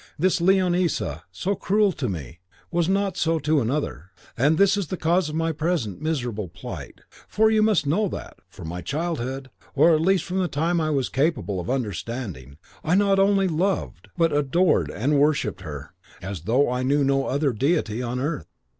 This Leonisa, so cruel to me, was not so to another, and this is the cause of my present miserable plight. For you must know that, from my childhood, or at least from the time I was capable of understanding, I not only loved, but adored and worshipped her, as though I knew no other deity on earth.